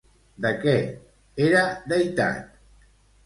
De què era deïtat?